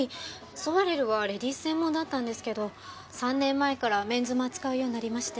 ソワレルはレディース専門だったんですけど３年前からメンズも扱うようになりまして。